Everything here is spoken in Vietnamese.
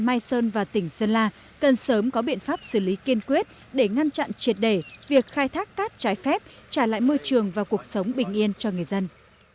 mai sơn và tỉnh sơn la cần sớm có biện pháp xử lý kiên quyết để ngăn chặn triệt để việc khai thác cát trái phép trả lại môi trường và cuộc sống bình yên cho người dân